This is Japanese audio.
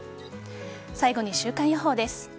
最後に週間予報です。